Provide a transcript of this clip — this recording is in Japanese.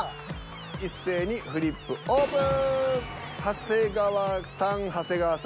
一斉にフリップオープン！